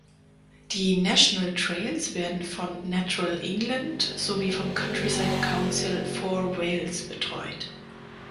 Die "National Trails" werden von Natural England sowie vom Countryside Council for Wales betreut.